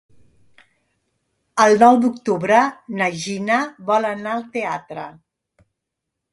El nou d'octubre na Gina vol anar al teatre.